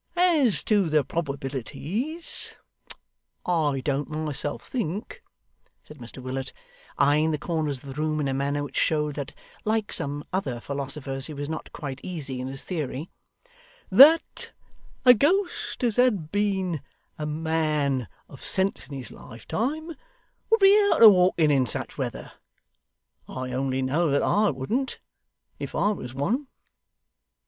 As to the probabilities, I don't myself think,' said Mr Willet, eyeing the corners of the room in a manner which showed that, like some other philosophers, he was not quite easy in his theory, 'that a ghost as had been a man of sense in his lifetime, would be out a walking in such weather I only know that I wouldn't, if I was one.